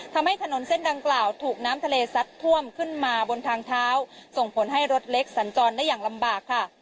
ทำให้ถนนเส้นดังกล่าวถูกน้ำทะเลซัดท่วมขึ้นมาบนทางเท้าส่งผลให้รถเล็กสัญจรได้อย่างลำบากค่ะ